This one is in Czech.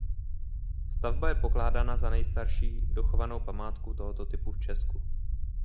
Stavba je pokládána za nejstarší dochovanou památku tohoto typu v Česku.